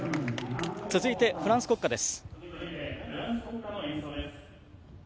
続いて、フランス国歌です。